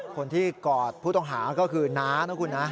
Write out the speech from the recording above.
คนที่กอดผู้ต้องหาก็คือน้านะครับคุณน้า